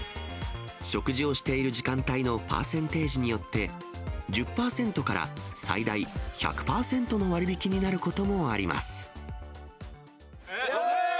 食事をしている時間帯のパーセンテージによって、１０％から、最大１００％の割引になることもあります。